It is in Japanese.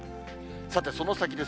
さて、その先です。